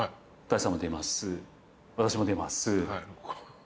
私も出ます。